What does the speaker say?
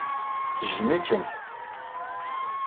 Tejjem-ikem.